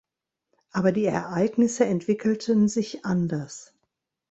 Aber die Ereignisse entwickelten sich anders.